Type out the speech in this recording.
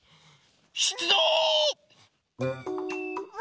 しゅつどう！